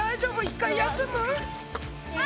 一回休む？